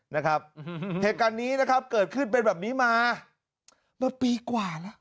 นะครับเหตุการณ์นี้นะครับเกิดขึ้นเป็นแบบนี้มามาปีกว่าแล้ว